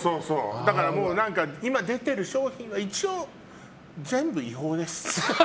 だから今出てる商品は一応、全部違法です。